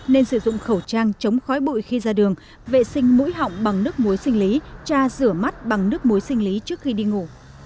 nên sử dụng khẩu trang chống khói bụi khi ra đường vệ sinh mũi họng bằng nước muối sinh lý cha rửa mắt bằng nước muối sinh lý trước khi đi ngủ